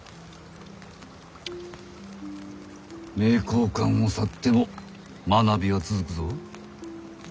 名教館を去っても学びは続くぞ。